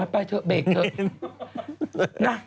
ไปเถอะเบรกเถอะ